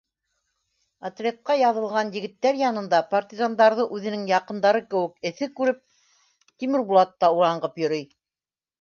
Отрядҡа яҙылған егеттәр янында, партизандарҙы үҙенең яҡындары кеүек эҫе күреп, Тимербулат та ураңғып йөрөй.